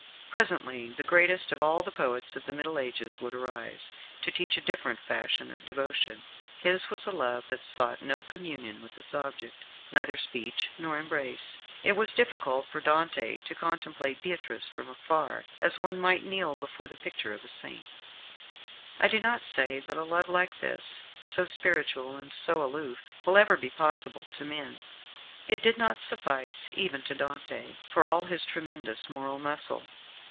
Presently the greatest of all the poets of the Middle Ages would arise, to teach a different fashion of devotion. His was a love that sought no communion with its object, neither speech nor embrace. It was sufficient for Dante to contemplate Beatrice from afar, as one might kneel before the picture of a saint. I do not say that a love like this so spiritual and so aloof will ever be possible to men. It did not suffice even to Dante, for all his tremendous moral muscle.